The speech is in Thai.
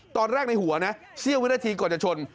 ในหัวนะเสี้ยววินาทีก่อนจะชน